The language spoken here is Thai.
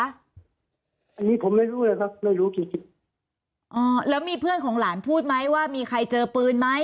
อันนี้ผมไม่รู้เลยครับไม่รู้จริงจริงอ๋อแล้วมีเพื่อนของหลานพูดไหมว่ามีใครเจอปืนไหม